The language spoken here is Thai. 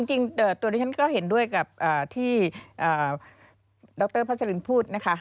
จริงตัวดิฉันก็เห็นด้วยกับที่ดรพัชรินพูดนะคะ